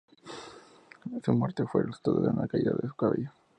Su muerte fue el resultado de una caída de su caballo.